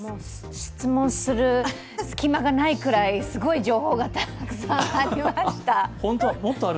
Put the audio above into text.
質問する隙間がないくらい、すごい情報がたくさんありました。